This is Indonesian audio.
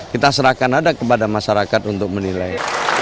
kita serahkan ada kepada masyarakat untuk menilai